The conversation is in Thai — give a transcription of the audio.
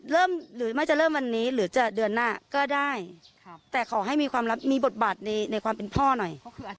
หรือไม่จะเริ่มวันนี้หรือจะเดือนหน้าก็ได้แต่ขอให้มีความรับมีบทบาทในความเป็นพ่อหน่อย